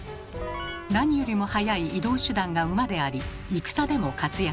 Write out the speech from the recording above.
何よりも早い移動手段が馬であり戦でも活躍。